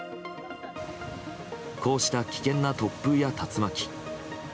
こうした危険な突風や竜巻。